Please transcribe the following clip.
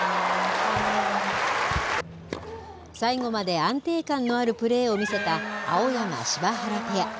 最後まで安定感のあるプレーを見せた、青山・柴原ペア。